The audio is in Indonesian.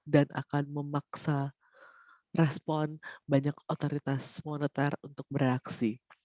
dan akan memaksa respon banyak otoritas moneter untuk bereaksi